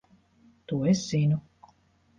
To es zinu.